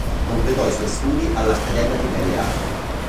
Completò i suoi studi all'Accademia di Belle Arti.